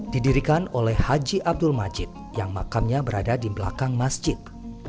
didirikan oleh haji abdul majid yang makamnya berada di belakang masjid